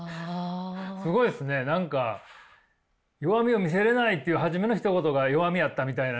すごいっすね何か弱みを見せれないっていう初めのひと言が弱みやったみたいなね。